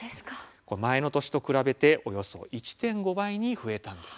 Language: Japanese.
前の年と比べておよそ１．５倍に増えたんです。